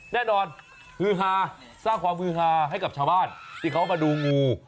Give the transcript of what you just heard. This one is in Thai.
แน่นอนฮือฮาสร้างความฮือฮาให้กับชาวบ้านที่เขามาดูงู